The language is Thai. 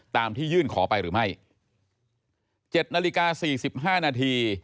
ตามที่ยื่นขอไปหรือไม่๗นาฬิกา๔๕นาที